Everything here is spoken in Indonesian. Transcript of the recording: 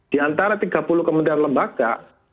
di antara tiga puluh kementerian lembaga